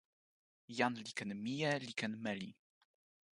jan li ken mije li ken meli.